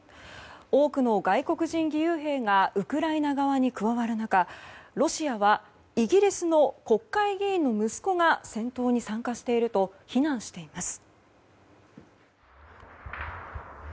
多くの外国人義勇兵がウクライナ側に加わる中ロシアはイギリスの国会議員の息子が戦闘に参加していると非難しています。